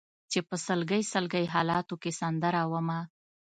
چې په سلګۍ سلګۍ حالاتو کې سندره ومه